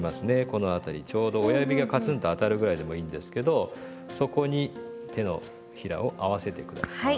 この辺りちょうど親指がカツンと当たるぐらいでもいいんですけどそこに手のひらを合わせて下さい。